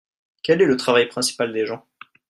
Quel est le travail principal des gens ?